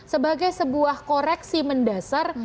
sebagai sebuah koreksi mendasar